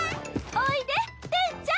おいでテンちゃん！